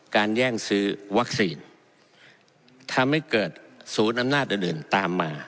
แย่งซื้อวัคซีนทำให้เกิดศูนย์อำนาจอื่นอื่นตามมา